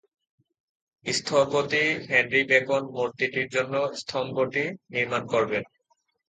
স্থপতি Henry Bacon মূর্তিটির জন্য স্তম্ভটি নির্মাণ করবেন।